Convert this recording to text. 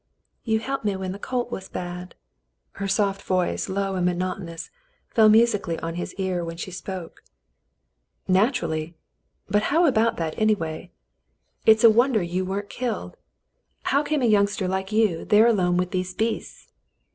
"You helped me when the colt was bad." Her soft voice, low and monotonous, fell musically on his ear when she spoke. "Naturally — but how about that, anyway? It's a The Mountain People 17 wonder you weren't killed. How came a youngster like you there alone with those beasts